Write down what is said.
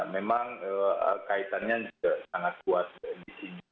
memang kaitannya juga sangat kuat disini